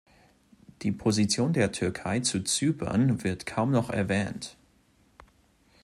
Die Position der Türkei zu Zypern wird kaum noch erwähnt.